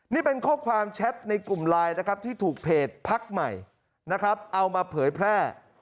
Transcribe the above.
นี่เป็นข้อความแชทในกลุ่มไลน์ที่ถูกเพจพักใหม่เอามาเผยแพร่